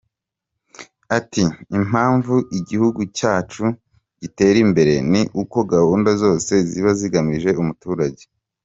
Ati “Impamvu igihugu cyacu gitera imbere ni uko gahunda zose ziba zigamije umuturage.